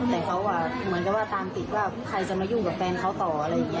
แต่เขาเหมือนกับว่าตามติดว่าใครจะมายุ่งกับแฟนเขาต่ออะไรอย่างนี้